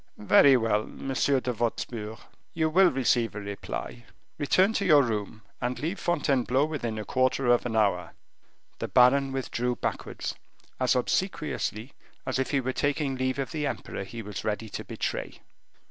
"Very well, Monsieur de Wostpur, you will receive a reply; return to your room, and leave Fontainebleau within a quarter of an hour." The baron withdrew backwards, as obsequiously as if he were taking leave of the emperor he was ready to betray.